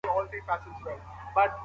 مرييان د اسلامي حکومت لخوا ازاد سوي دي.